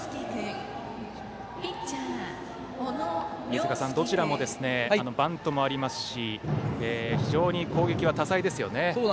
飯塚さんどちらもバントもありますし非常に攻撃は多彩ですよね。